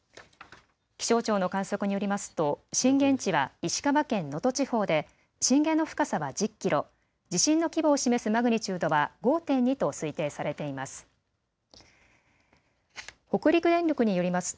気象庁の観測によりますと震源地は石川県能登地方で震源の深さは１０キロ、地震の規模を示すマグニチュードは５．２と推定されています。